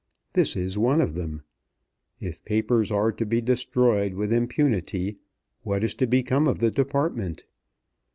This is one of them. If papers are to be destroyed with impunity, what is to become of the Department?